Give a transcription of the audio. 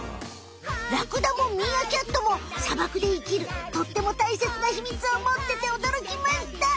ラクダもミーアキャットも砂漠で生きるとってもたいせつなヒミツをもってておどろきました。